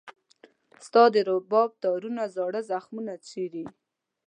ستا د رباب تارونه زاړه زخمونه چېړي.